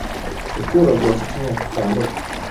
yatoraguwe afite imyaka itandatu